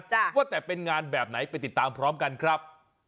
ว่าแต่เป็นงานแบบไหนไปติดตามพร้อมกันครับ